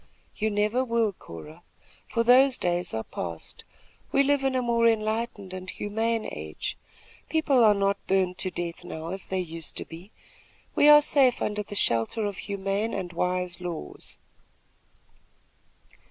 "You never will, Cora, for those days are passed. We live in a more enlightened and humane age. People are not burned to death now, as they used to be. We are safe under the shelter of humane and wise laws."